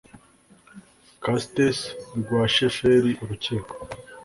Castes rwa sheferi urukiko